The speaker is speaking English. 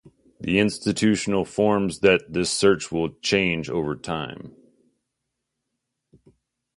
The institutional forms that this search takes will change over time.